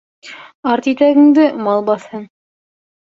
Арт итәгеңде мал баҫһын.